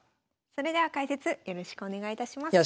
それでは解説よろしくお願いいたします。